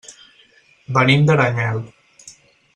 Venim d'Aranyel.